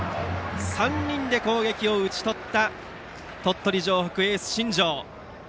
３人で攻撃を打ち取った鳥取城北のエース、新庄。